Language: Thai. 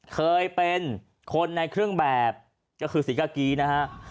เคยเป็นคนในเครื่องแบบก็คือศรีกากีนะฮะ